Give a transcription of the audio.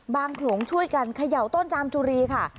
โขลงช่วยกันเขย่าต้นจามจุรีค่ะ